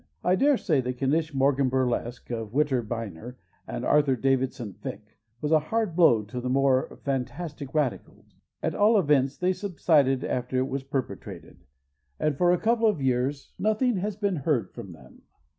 I daresay the Knish Morgan burlesque of Witter Bynner and Arthur Davison Ficke was a hard blow to the more fantastic radicals. At all events, they subsided after it was perpetrated, and for a couple of years nothing has been heard from them.